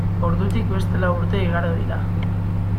Ordutik beste lau urte igaro dira.